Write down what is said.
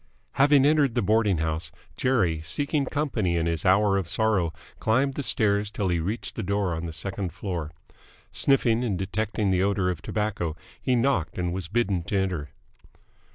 Having entered the boarding house, Jerry, seeking company in his hour of sorrow, climbed the stairs till he reached a door on the second floor. Sniffing and detecting the odour of tobacco, he knocked and was bidden to enter.